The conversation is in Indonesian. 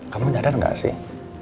kamu nyadar nggak sih